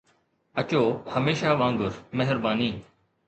اچو، هميشه وانگر، مهرباني